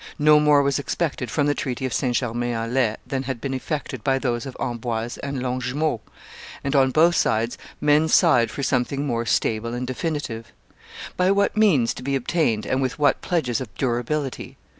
No more was expected from the treaty of St. Germain en Laye than had been effected by those of Amboise and Longjumeau, and on both sides men sighed for something more stable and definitive. By what means to be obtained and with what pledges of durability?